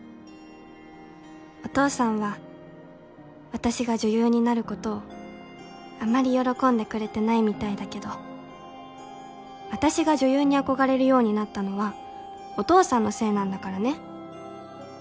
お父さんは私が女優になる事をあまり喜んでくれてないみたいだけど私が女優に憧れるようになったのはお父さんのせいなんだからね。